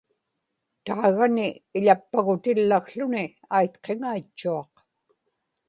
taagani iḷappagutillakłuni aitqiŋaitchuaq